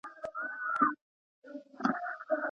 د پرمختګ چټکتیا یوازي په مهارت پوري نه تړل کېږي.